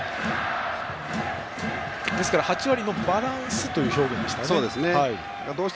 ですから、８割のバランスという表現でしたね。